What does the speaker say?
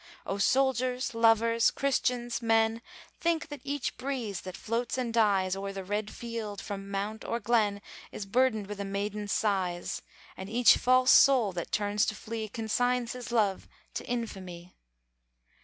O soldiers, lovers, Christians, men! Think that each breeze that floats and dies O'er the red field, from mount or glen, Is burdened with a maiden's sighs And each false soul that turns to flee, Consigns his love to infamy!